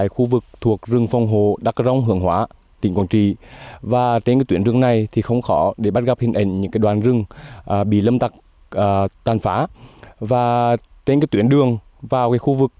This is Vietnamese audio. khu vực rừng phòng hộ rộng hàng trăm hectare kéo dài từ km ba mươi hai